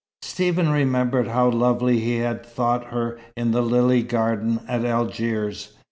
Stephen remembered how lovely he had thought her in the lily garden at Algiers.